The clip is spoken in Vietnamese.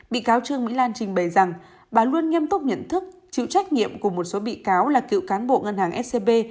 bị cáo trương mỹ lan trình bày rằng bà luôn nghiêm túc nhận thức chịu trách nhiệm của một số bị cáo là cựu cán bộ ngân hàng scb